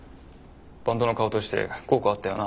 バンドの顔として効果あったよな。